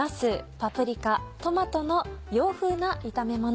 パプリカトマトの洋風な炒めもの。